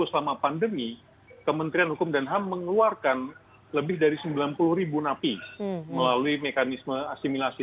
tahun dua ribu dua puluh selama pandemi kementerian hukum dan ham mengeluarkan lebih dari sembilan puluh ribu napi melalui mekanisme asimilasi